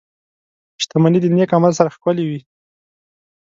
• شتمني د نېک عمل سره ښکلې وي.